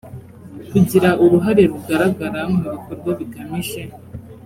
kugira uruhare rugaragara mu bikorwa bigamije